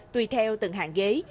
tùy theo từng hạng ghế